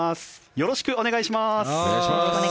よろしくお願いします。